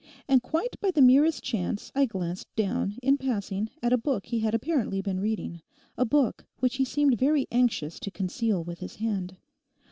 And quite by the merest chance I glanced down, in passing, at a book he had apparently been reading, a book which he seemed very anxious to conceal with his hand.